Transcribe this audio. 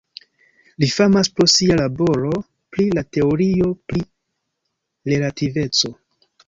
Li famas pro sia laboro pri la teorio pri relativeco.